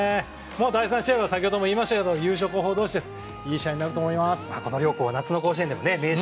第３試合は先ほども言いましたけど優勝候補同士いい試合になると思います。